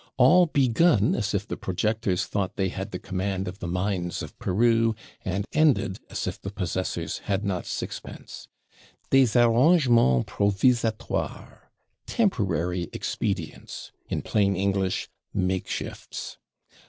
'All begun as if the projectors thought they had the command of the mines of Peru, and ended as if the possessors had not sixpence; DES ARRANGEMENS PROVISATOIRES, temporary expedients; in plain English, MAKE SHIFTS.